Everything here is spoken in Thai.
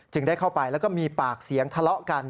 ได้เข้าไปแล้วก็มีปากเสียงทะเลาะกัน